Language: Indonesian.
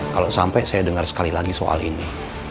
kalau sampai saya dengar sekali lagi soal ini